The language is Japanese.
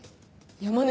山根。